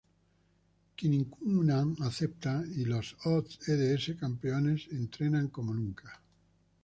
Kinnikuman acepta y los ods campeones entrenan como nunca.